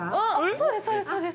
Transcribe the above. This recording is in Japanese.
そうですそうです。